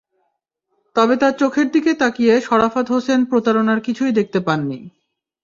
তবে তার চোখের দিকে তাকিয়ে শরাফত হোসেন প্রতারণার কিছুই দেখতে পাননি।